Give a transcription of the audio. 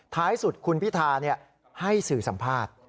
ท้ายสุดคุณพิธาให้สื่อสัมภาษณ์